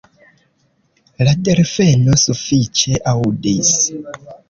La delfeno sufiĉe aŭdis.